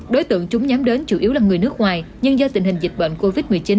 đối tượng chúng nhắm đến chủ yếu là người nước ngoài nhưng do tình hình dịch bệnh covid một mươi chín